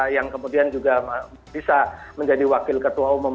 yang kemudian juga bisa menjadi wakil ketua umum